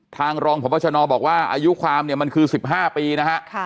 รองพบชนบอกว่าอายุความเนี่ยมันคือ๑๕ปีนะฮะ